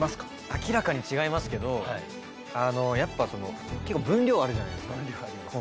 明らかに違いますけどやっぱその結構分量あるじゃないですかコント。